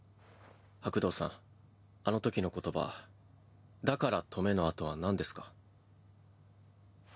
白道さんあのときの言葉「だから止め」のあとはなんですか？